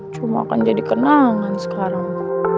cuma akan jadi kenangan sekarang